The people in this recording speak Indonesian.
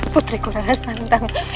putriku rana santang